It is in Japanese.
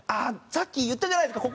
さっき言ったじゃないですか